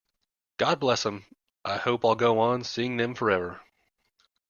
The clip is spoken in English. God bless 'em, I hope I'll go on seeing them forever.